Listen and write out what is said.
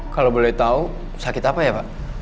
kalo boleh tau sakit apa ya pak